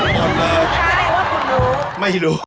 อ๋อเป็นแค่ว่าคุณรู้